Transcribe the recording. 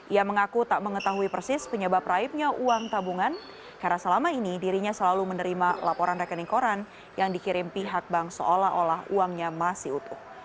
ia mengaku tak mengetahui persis penyebab raibnya uang tabungan karena selama ini dirinya selalu menerima laporan rekening koran yang dikirim pihak bank seolah olah uangnya masih utuh